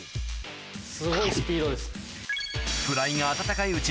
すごいスピードです。